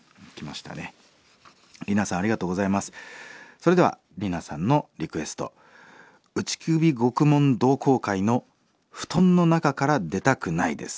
それではリナさんのリクエスト打首獄門同好会の「布団の中から出たくない」です。